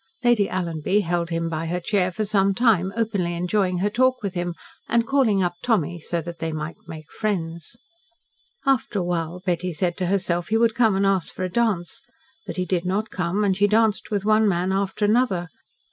Lady Alanby held him by her chair for some time, openly enjoying her talk with him, and calling up Tommy, that they might make friends. After a while, Betty said to herself, he would come and ask for a dance. But he did not come, and she danced with one man after another.